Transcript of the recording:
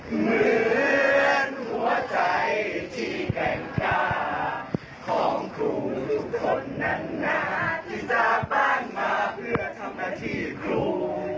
เหมือนหัวใจที่แกร่งกล้าของครูทุกคนนั้นนะที่สร้างบ้านมาเพื่อทำหน้าที่ครู